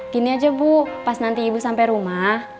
gini aja bu pas nanti ibu sampai rumah